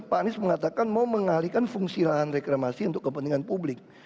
pak anies mengatakan mau mengalihkan fungsi lahan reklamasi untuk kepentingan publik